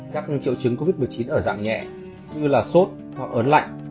các triệu chứng covid một mươi chín ở dạng nhẹ như là sốt ho ớn lạnh